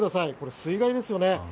水害ですよね。